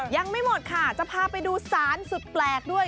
ยังไม่หมดค่ะจะพาไปดูสารสุดแปลกด้วย